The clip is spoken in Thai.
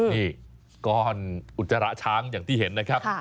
นี่ก้อนอุจจาระช้างอย่างที่เห็นนะครับ